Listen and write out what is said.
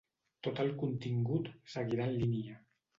Tot el contingut seguirà en línia.